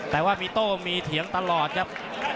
แต่ว่ามีโต้มีเถียงตลอดครับ